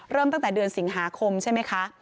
ตั้งแต่เดือนสิงหาคมใช่ไหมคะ